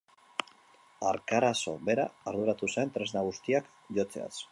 Arkarazo bera arduratu zen tresna guztiak jotzeaz.